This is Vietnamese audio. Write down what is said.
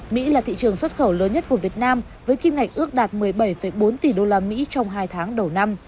mỹ là thị trường xuất khẩu lớn nhất của việt nam với kim ngạch ước đạt một mươi bảy bốn tỷ usd trong hai tháng đầu năm